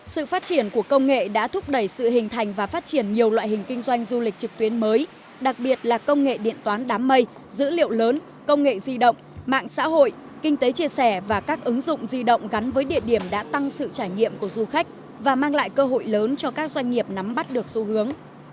sự phát triển của công nghệ đã thúc đẩy sự hình thành và phát triển nhiều loại hình kinh doanh du lịch trực tuyến mới đặc biệt là công nghệ điện toán đám mây dữ liệu lớn công nghệ di động mạng xã hội kinh tế chia sẻ và các ứng dụng di động gắn với địa điểm đã tăng sự trải nghiệm của du khách và mang lại cơ hội lớn cho các doanh nghiệp nắm bắt được xu hướng